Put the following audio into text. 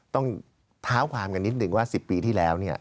ต้องเท้าความกันนิดนึงว่า๑๐ปีที่แล้ว